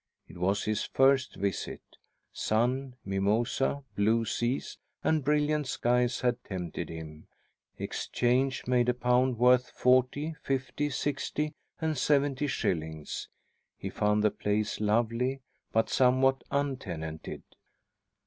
It was his first visit. Sun, mimosa, blue seas and brilliant skies had tempted him; exchange made a pound worth forty, fifty, sixty and seventy shillings. He found the place lovely, but somewhat untenanted.